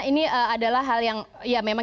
ini adalah hal yang ya memang kita lihat